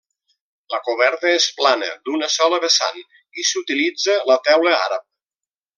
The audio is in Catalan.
La coberta és plana, d'una sola vessant i s'utilitza la teula àrab.